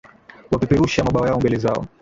Wapeperusha, mabawa yao mbele zako.